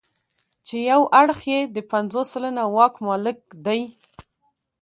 چې یو اړخ یې د پنځوس سلنه واک مالک دی.